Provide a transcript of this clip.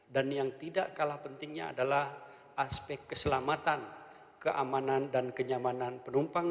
dan yang tidak kalah pentingnya adalah aspek keselamatan keamanan dan kenyamanan penumpang